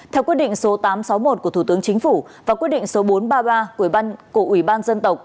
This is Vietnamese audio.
theo quyết định số tám trăm sáu mươi một của thủ tướng chính phủ và quyết định số bốn trăm ba mươi ba của ủy ban dân tộc